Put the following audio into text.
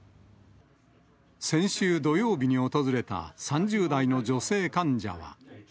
先週土曜日に訪れた３０代の女性患者は。